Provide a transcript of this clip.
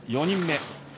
４人目。